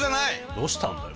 どうしたんだよ。